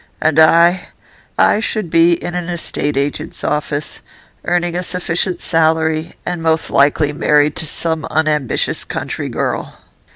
And I I should be in an estate agent's office, earning a sufficient salary, and most likely married to some unambitious country girl.